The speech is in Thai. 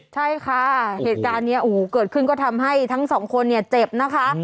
ใช่ค่ะเหตุการณ์นี้เกิดขึ้นก็ทำให้ทั้งสองคนเนี่ยเจ็บนะคะ